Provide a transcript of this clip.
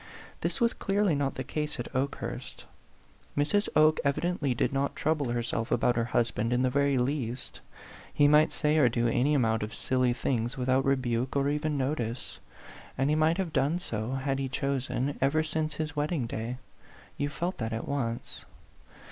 This waa clearly not the case at Okehurst. Mrs. Oke evidently did not trouble herself about her husband in the very least; he might say A PHANTOM LOVER 29 or do any amount of silly things without rebuke or even notice; and he might have done so, had he chosen, ever since his wed ding day You felt that at once.